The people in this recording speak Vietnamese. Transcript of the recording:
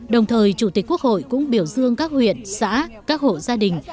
đồng thời chủ tịch quốc hội cũng biểu dương các huyện xã các hộ gia đình